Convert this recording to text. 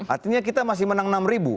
artinya kita masih menang enam ribu